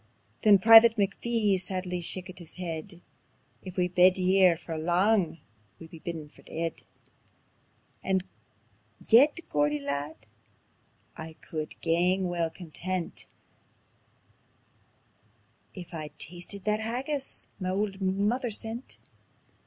Then Private McPhee sadly shakit his heid: "If we bide here for lang, we'll be bidin' for deid. And yet, Geordie lad, I could gang weel content If I'd tasted that haggis ma auld mither sent."